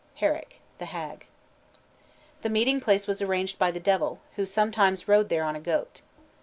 HERRICK: The Hag. The meeting place was arranged by the Devil, who sometimes rode there on a goat.